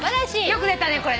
よく出たねこれ。